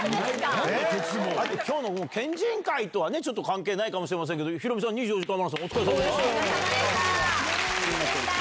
きょうの県人会とはちょっと関係ないかもしれませんけど、ヒロミさん、２４時間マラソンおお疲れさまでした。